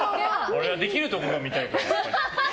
俺はできるところが見たいから。